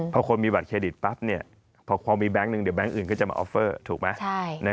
พอคนมีบัตรเครดิตปั๊บพอมีแบงค์หนึ่งเดี๋ยวแก๊งอื่นก็จะมาออฟเฟอร์ถูกไหม